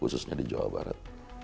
khususnya di jawa barat